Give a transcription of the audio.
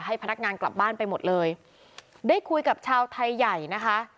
พนักงานกลับบ้านไปหมดเลยได้คุยกับชาวไทยใหญ่นะคะ